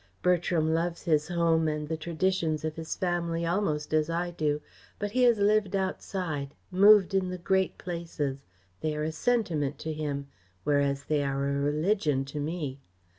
Bertram loves his home and the traditions of his family almost as I do, but he has lived outside, moved in the great places. They are a sentiment to him, whereas they are a religion to me.